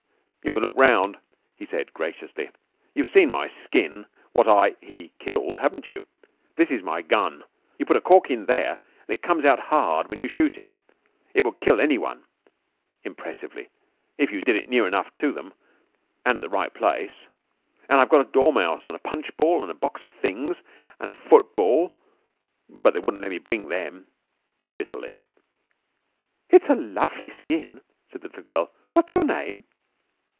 "You can look round," he said graciously. "You've seen my skin what I he killed, haven't you? This is my gun. You put a cork in there and it comes out hard when you shoot it. It would kill anyone," impressively, "if you did it near enough to them and at the right place. An' I've got a dormouse, an' a punchball, an' a box of things, an' a football, but they wouldn't let me bring them," bitterly. "It's a lovely skin," said the little girl. "What's your name?"